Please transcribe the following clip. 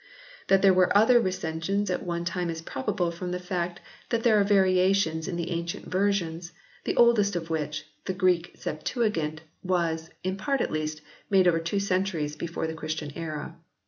That there were other recensions at one time is probable from the fact that there are variations in the ancient Versions, the oldest of which, the Greek Septuagint, was, in part at least, made over two centuries before the Christian era.